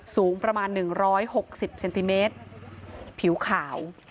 สูงประมาณ๑๖๐เซนติเมตรผิวขาว